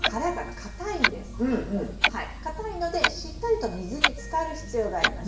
硬いのでしっかりと水につかる必要があります。